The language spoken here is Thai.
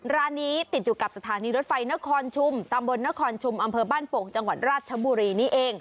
ร้านนี้ติดอยู่กับสถานีรถไฟนครชุมตำบลนครชุมอำเภอบ้านโป่งจังหวัดราชบุรีนี่เอง